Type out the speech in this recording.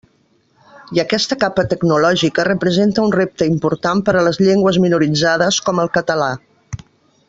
I aquesta capa tecnològica representa un repte important per a les llengües minoritzades, com el català.